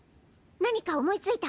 何か思いついた？